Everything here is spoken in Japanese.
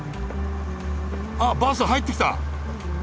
あバス入ってきた！